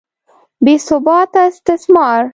بې ثباته استثمار.